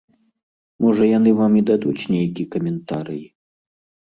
Можа яны вам і дадуць нейкі каментарый.